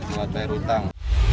buat bayar hutang